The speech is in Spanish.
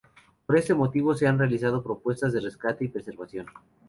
Por este motivo se han realizado propuestas de rescate y preservación.